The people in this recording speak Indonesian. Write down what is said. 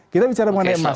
kita bicara mengenai emas